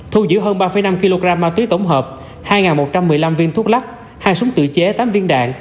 thu giữ hơn ba năm kg ma túy tổng hợp hai một trăm một mươi năm viên thuốc lắc hai súng tự chế tám viên đạn